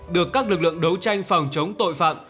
được các lực lượng đấu tranh phòng chống tội phạm